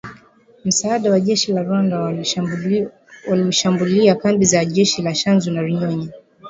msaada wa jeshi la Rwanda, walishambulia kambi za jeshi za Tchanzu na Runyonyi